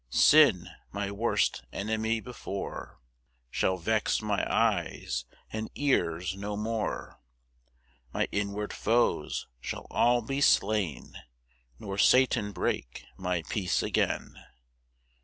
6 Sin, (my worst enemy before) Shall vex my eyes and ears no more; My inward foes shall all be slain, Nor Satan break my peace again.